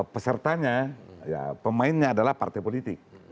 pesertanya ya pemainnya adalah partai politik